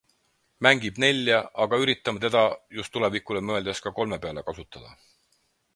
Mängib nelja, aga üritame teda just tulevikule mõeldes ka kolme peal kasutada.